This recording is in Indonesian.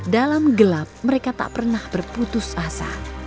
dalam gelap mereka tak pernah berputus asa